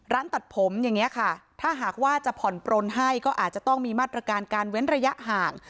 ร้านตัดผมอย่างนี้ค่ะถ้าหากว่าจะผ่อนปลนให้ก็อาจจะต้องมีมาตรการการเว้นระยะห่าง